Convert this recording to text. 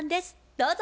どうぞ。